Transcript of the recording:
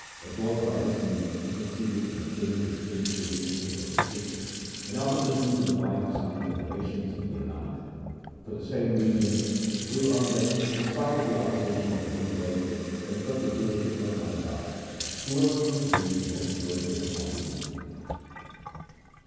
It was by this means he succeeded in obtaining the spiritual leadership of the Sikhs in opposition to the wife, sons and relations of Guru Nanak. For the same reasons Guru Angad in spite of the opposition of his own relatives conferred the Guruship on Amar Das, who was proved to be the most worthy of the high dignity.